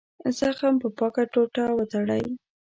زخم په پاکه ټوټه وتړئ.